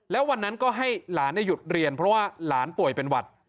แล้ววันนั้นก็ให้หลานหยุดเรียนเพราะว่าหลานป่วยเป็นหวัด